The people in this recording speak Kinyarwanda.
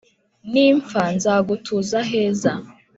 Nimpfa nzagutuza aheza